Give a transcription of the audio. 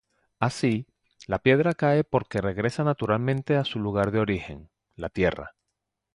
Así, la piedra cae porque regresa naturalmente a su lugar de origen, la tierra.